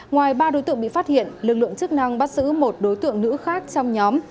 ngoài ba đối tượng bị phát hiện lực lượng chức năng bắt giữ một đối tượng nữ khác trong nhóm